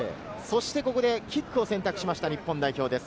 ここでキックを選択しました、日本です。